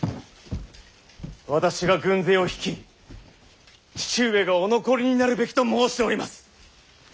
私が軍勢を率い父上がお残りになるべきと申しております！